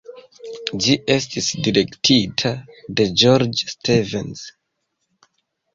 Ĝi estis direktita de George Stevens.